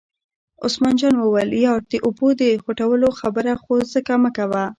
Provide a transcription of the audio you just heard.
عثمان جان وویل: یار د اوبو د خوټولو خبره خو ځکه مکوه.